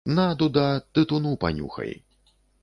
На, дуда, тытуну панюхай!